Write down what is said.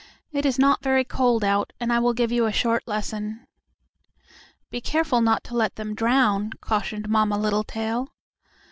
It is not very cold out, and I will give you a short lesson." "Be careful not to let them drown," cautioned Mamma Littletail.